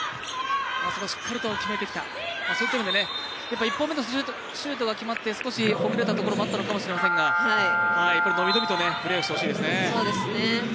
そういった意味で１本目のシュートが決まって少し、ほぐれたところがあったのかもしれませんが、伸び伸びとプレーしてほしいですね。